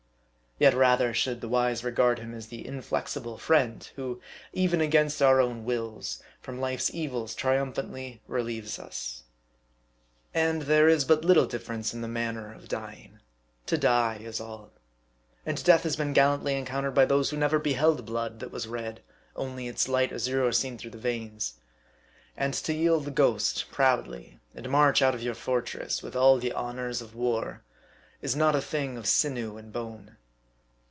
Yet rather, should the wise regard him as the inflexible friend, who, even against our own wills, from life's evils triumphantly re lieves us. 46 M A R D I. And there is but little difference in the manner of dying. To die, is all. And death has been gallantly encountered by those who never beheld blood that was red, only its light azure seen through the veins. And to yield the ghost proudly, and march out of your fortress with all the honors of war, is not a thing of sinew and bone.